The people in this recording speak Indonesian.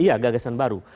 iya gagasan baru